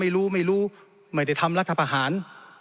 ไม่รู้ไม่รู้ไม่ได้ทำรัฐประหาร